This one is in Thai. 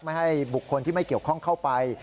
ไม่ให้บุคคลที่ไม่เกี่ยวข้องเข้าไป